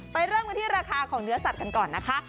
เริ่มกันที่ราคาของเนื้อสัตว์กันก่อนนะคะ